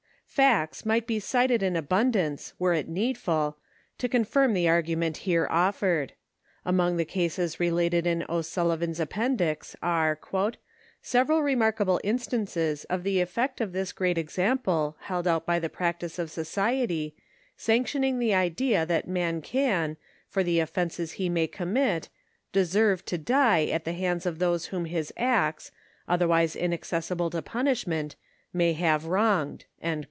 Facts might be cited in abundance, were it needful, to con firm the argument here offered. Among the caaes related in O'Sullivan's Appendix, are '* several remarkable instances of the effect of this great example held out by the practice of so ciety, sanctioning the idea that man can, for the offenses he may commit, * deserve to die* at the hands of those whom his acts, otherwise inaccessible to punishment, may have wronged."